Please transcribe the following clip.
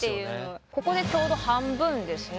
ここでちょうど半分ですね。